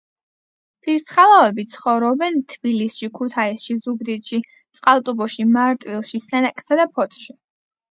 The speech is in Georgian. ფირცხალავები ცხოვრობენ თბილისში, ქუთაისში, ზუგდიდში, წყალტუბოში, მარტვილში, სენაკსა და ფოთში.